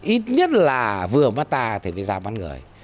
ít nhất là vừa mắt ta thì phải giảm mắt người